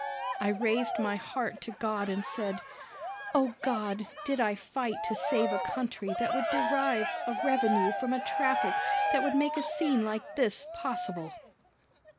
I raised my heart to God and said, "O God, did I fight to save a country that would derive a revenue from a traffic that would make a scene like this possible?"